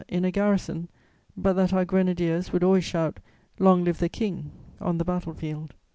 in a garrison, but that our grenadiers would always shout, 'Long live the King!' on the battle field.